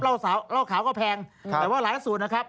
เหล้าขาวก็แพงแต่ว่าหลายสูตรนะครับ